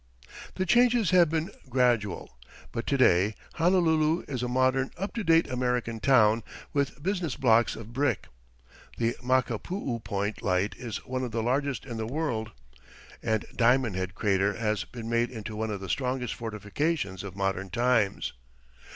The changes have been gradual, but to day Honolulu is a modern, up to date American town, with business blocks of brick. The Makapuu Point Light is one of the largest in the world, and Diamond Head crater has been made into one of the strongest fortifications of modern times.